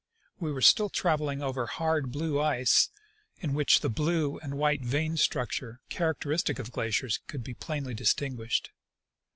We were still traveling over hard blue ice in which the blue and white vein structure characteristic of glaciers could be plainly distinguished.